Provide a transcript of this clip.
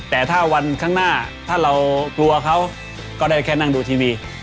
แต่ถ้าวันข้างหน้าถ้าเรากลัวเขาก็ได้แค่นั่งดูทีวี